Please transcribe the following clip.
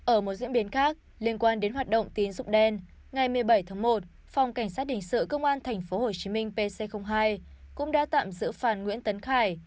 ở một diễn biến khác liên quan đến hoạt động tín dụng đen ngày một mươi bảy tháng một phòng cảnh sát hình sự công an tp hcm pc hai cũng đã tạm giữ phan nguyễn tấn khải